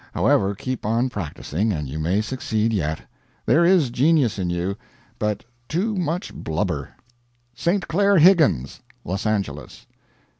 However, keep on practising, and you may succeed yet. There is genius in you, but too much blubber. "ST. CLAIR HIGGINS." Los Angeles.